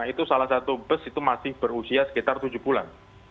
itu salah satu bus itu masih berusia sekitar tujuh bulan